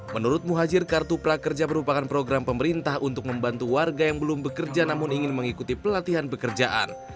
menurut muhajir kartu prakerja merupakan program pemerintah untuk membantu warga yang belum bekerja namun ingin mengikuti pelatihan pekerjaan